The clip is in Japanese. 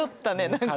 何か。